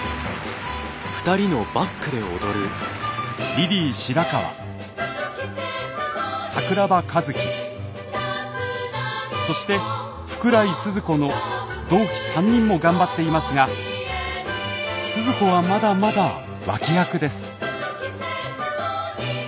リリー白川桜庭和希そして福来スズ子の同期３人も頑張っていますがスズ子はまだまだ脇役です。